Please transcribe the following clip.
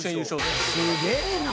すげえな。